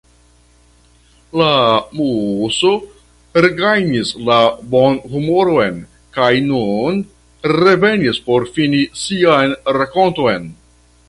La Muso regajnis la bonhumoron kaj nun revenis por fini sian rakonton.